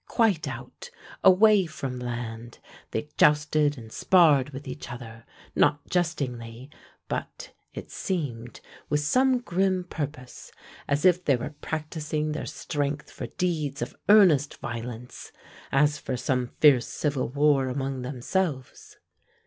Quite out, away from land, they jousted and sparred with each other, not jestingly, but, it seemed, with some grim purpose, as if they were practising their strength for deeds of earnest violence, as for some fierce civil war among themselves.